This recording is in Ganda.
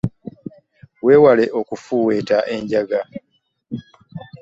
Wewale okufuuweeta enjaga.